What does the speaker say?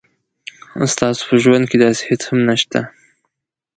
تاسو په ژوند کې داسې هیڅ څه هم نشته